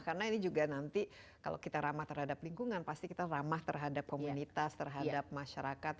karena ini juga nanti kalau kita ramah terhadap lingkungan pasti kita ramah terhadap komunitas terhadap masyarakat